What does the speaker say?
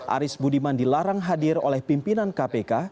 aris budiman dilarang hadir oleh pimpinan kpk